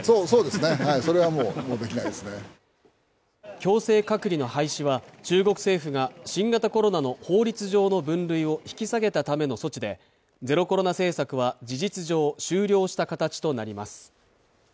強制隔離の廃止は、中国政府が新型コロナの法律上の分類を引き下げたための措置でゼロコロナ政策は事実上終了した形となります。